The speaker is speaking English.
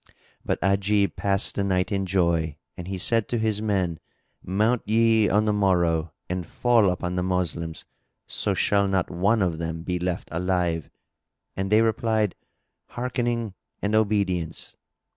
But Ajib passed the night in joy and he said to his men, "Mount ye on the morrow and fall upon the Moslems so shall not one of them be left alive." And they replied, "Hearkening and obedience!"